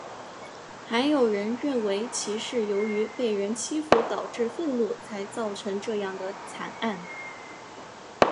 还有人认为其是由于被人欺负导致愤怒才造成这样的惨案。